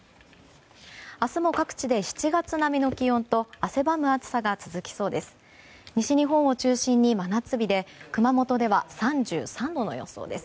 明日も各地で７月並みの気温と汗ばむ暑さが続きそうです。